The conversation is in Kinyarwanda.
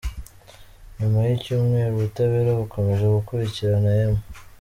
Nyuma y’icyumweru ubutabera bukomeje gukurikirana M.